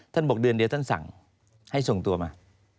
บอกเดือนเดียวท่านสั่งให้ส่งตัวมา